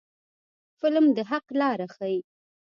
فلم د حق لاره ښيي